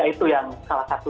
jadi itu yang salah satu